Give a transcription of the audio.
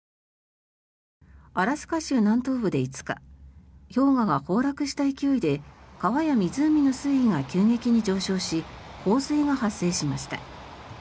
アラスカ州南東部で５日氷河が崩落した勢いで川や湖の水位が急激に上昇し洪水が発生しました。